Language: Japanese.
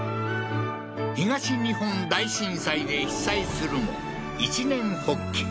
東日本大震災で被災するも一念発起